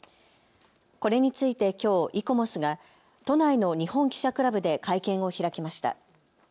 これについてきょうイコモスが都内の日本記者クラブで会見を開きました。